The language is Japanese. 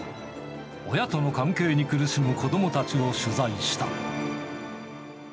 親との関係に苦しむ子どもたちを取材した。